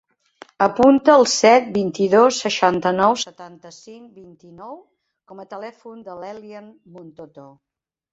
Apunta el set, vint-i-dos, seixanta-nou, setanta-cinc, vint-i-nou com a telèfon de l'Elian Montoto.